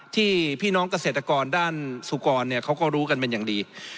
พี่น้องเกษตรกรด้านสุกรเขาก็รู้กันเป็นอย่างดี